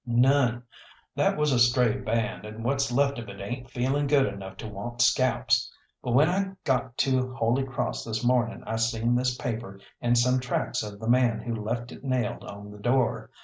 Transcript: "None. That was a stray band, and what's left of it ain't feeling good enough to want scalps. But when I got to Holy Cross this morning I seen this paper, and some tracks of the man who left it nailed on the door.